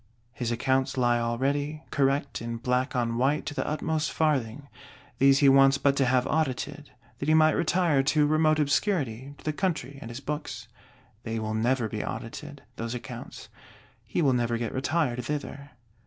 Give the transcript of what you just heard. His accounts lie all ready, correct in black on white to the utmost farthing: these he wants but to have audited, that he might retire to remote obscurity, to the country and his books. They will never be audited, those accounts: he will never get retired thither.